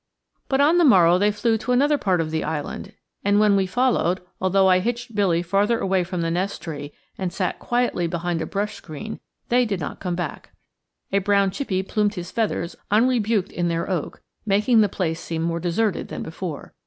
But on the morrow they flew to another part of the island, and when we followed, although I hitched Billy farther away from the nest tree and sat quietly behind a brush screen, they did not come back. A brown chippie plumed his feathers unrebuked in their oak, making the place seem more deserted than before.